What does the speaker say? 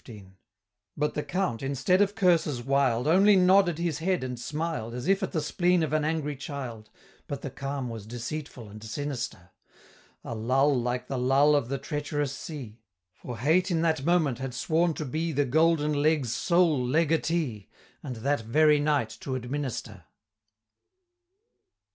But the Count, instead of curses wild, Only nodded his head and smiled, As if at the spleen of an angry child; But the calm was deceitful and sinister! A lull like the lull of the treacherous sea For Hate in that moment had sworn to be The Golden Leg's sole Legatee, And that very night to administer!